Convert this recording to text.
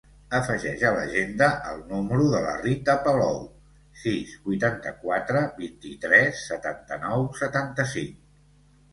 Afegeix a l'agenda el número de la Rita Palou: sis, vuitanta-quatre, vint-i-tres, setanta-nou, setanta-cinc.